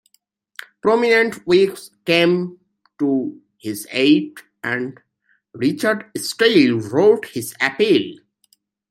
Prominent Whigs came to his aid, and Richard Steele wrote his appeal.